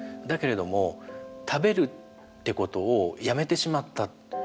だけれども食べるってことをやめてしまった。